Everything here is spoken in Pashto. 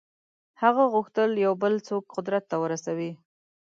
هغه غوښتل یو بل څوک قدرت ته ورسوي.